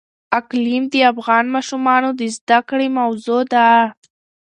اقلیم د افغان ماشومانو د زده کړې موضوع ده.